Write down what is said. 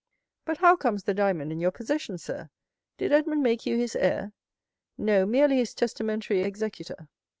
"But how comes the diamond in your possession, sir? Did Edmond make you his heir?" "No, merely his testamentary executor.